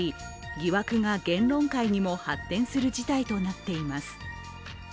疑惑が限界界にも発展する事態となっています。